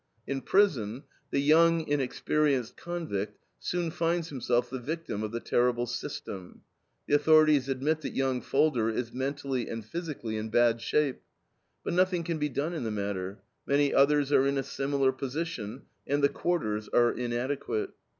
In prison, the young, inexperienced convict soon finds himself the victim of the terrible "system." The authorities admit that young Falder is mentally and physically "in bad shape," but nothing can be done in the matter: many others are in a similar position, and "the quarters are inadequate."